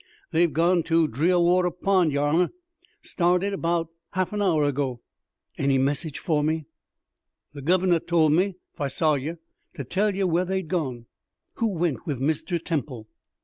"They're gone to Drearwater Pond, yer honour. Started 'bout half an hour ago." "Any message for me?" "The guv'nor told me, if I saw yer, to tell yer where they'd gone." "Who went with Mr. Temple?"